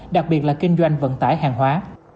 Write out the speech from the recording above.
đặc biệt là kinh doanh vận tải hàng hóa